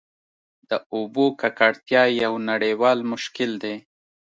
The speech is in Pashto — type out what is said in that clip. د اوبو ککړتیا یو نړیوال مشکل دی.